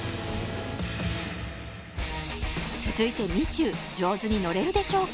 続いてみちゅ上手に乗れるでしょうか？